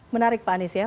menarik pak anies ya